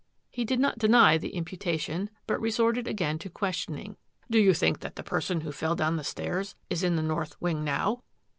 He did not deny the imputation, but resorted again to questioning. " Do you think that the person who fell down the stairs is in the north wing now?